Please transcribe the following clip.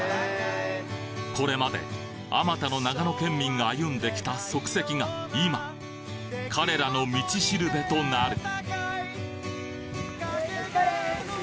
これまで数多の長野県民が歩んできた足跡が今彼らの道しるべとなる・